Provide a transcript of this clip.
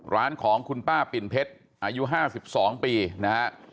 ร้านของคุณป้าปิ่นเพชรอายุ๕๒ปีนะฮะ